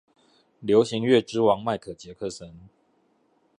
流行樂之王麥可傑克森